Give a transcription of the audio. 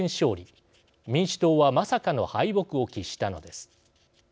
民主党はまさかの敗北を喫したのです。